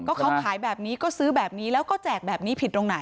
เขาขายแบบนี้ก็ซื้อแบบนี้แล้วก็แจกแบบนี้ผิดตรงไหน